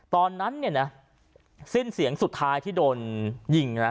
ตอนนั้นเนี่ยนะสิ้นเสียงสุดท้ายที่โดนยิงนะ